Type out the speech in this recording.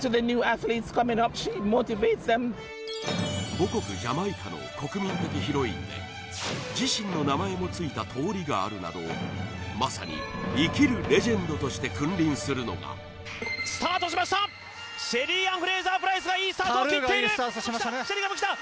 母国ジャマイカの国民的ヒロインで自身の名前もついた通りがあるなどまさに生きるレジェンドとして君臨するのがスタートしましたシェリーアン・フレイザープライスがいいスタートを切っているタルーがいいスタートしましたね